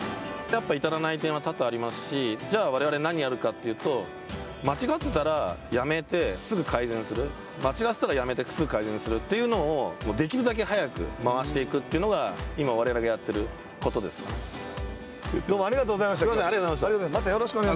やっぱりいたらない点は多々ありますし、われわれ何をやるかというと、間違ってたらやめてすぐ改善する間違っていたらやめて、すぐ改善するというのをできるだけ早く回していくというのが今われわれがどうもありがとうございました。